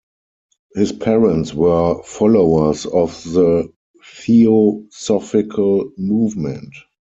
His parents were followers of the Theosophical movement.